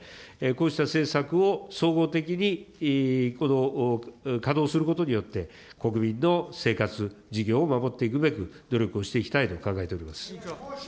こうした政策を総合的に稼働することによって、国民の生活、事業を守っていくべく、努力をしていきたいと考えております。